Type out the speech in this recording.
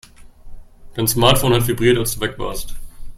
Dein Smartphone hat vibriert, als du weg warst.